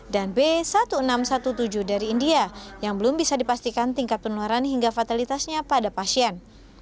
dan b satu enam satu tujuh dari india yang belum bisa dipastikan tingkat penularan hingga fatalitasnya pada pasien